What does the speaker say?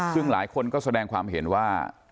ซึ่งหลายคนก็แสดงความเห็นว่า